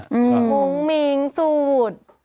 มุ้งมิ้งสูตร